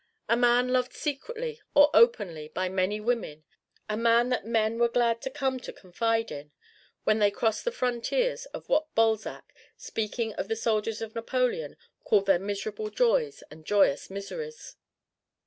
A man loved secretly or openly by many women. A man that men were glad to come to confide in, when they crossed the frontiers of what Balzac, speaking of the soldiers of Napoleon, called their miserable joys and joyous miseries.